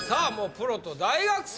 プロと大学生